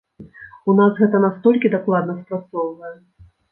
У нас гэта настолькі дакладна спрацоўвае.